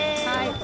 はい。